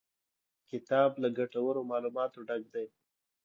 کتاب له ګټورو معلوماتو ډک دی.